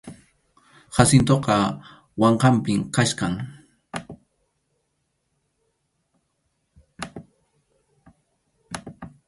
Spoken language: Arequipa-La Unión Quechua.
Jacintoqa wankanpim kachkan.